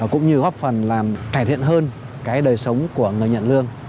cũng như góp phần làm cải thiện hơn cái đời sống của người nhận lương